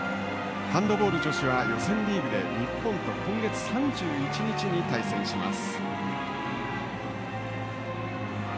ハンドボール女子は予選リーグで日本と今月３１日に対戦します。